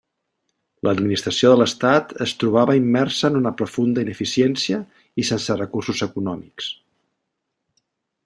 L'administració de l'Estat es trobava immersa en una profunda ineficiència i sense recursos econòmics.